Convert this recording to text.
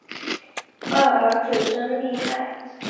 二儿子真厉害